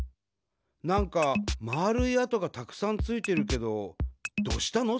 なんかまるい跡がたくさんついてるけどどうしたの？